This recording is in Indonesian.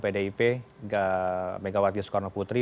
pdip megawati soekarnoputri